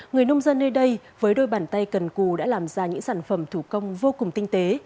người nông dân nơi đây với đôi bàn tay cần cù đã làm ra những sản phẩm thủ công vô cùng tinh tế